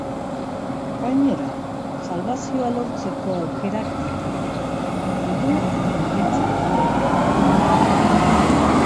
Gainera, salbazioa lortzeko aukerak ditu galdu edo berdintzen badu ere.